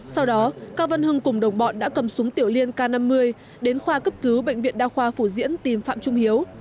sau đó cao văn hưng cùng đồng bọn đã cầm súng tiểu liên k năm mươi đến khoa cấp cứu bệnh viện đa khoa phủ diễn tìm phạm trung hiếu